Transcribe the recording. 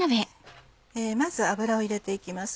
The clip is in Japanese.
まず油を入れて行きます